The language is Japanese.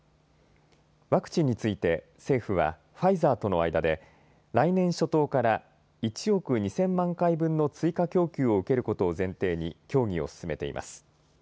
ワクチンについて政府はファイザーとの間で来年初頭から１億２０００万回分の追加供給を受けることを前提に協議を進めています。